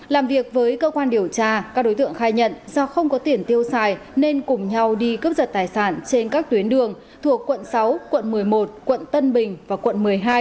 làm việc với cơ quan điều tra các đối tượng khai nhận do không có tiền tiêu xài nên cùng nhau đi cướp giật tài sản trên các tuyến đường thuộc quận sáu quận một mươi một quận tân bình và quận một mươi hai